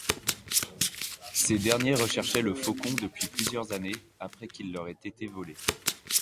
Ces derniers recherchaient le Faucon depuis plusieurs années après qu'il leur a été volé.